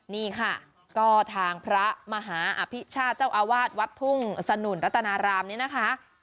นี่ค่ะก็ทางพระมหาอภิชาติเจ้าอาวาสวัดทุ่งสนุนรัตนารามนี้นะคะ